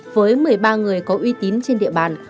với một mươi ba người có uy tín trên địa bàn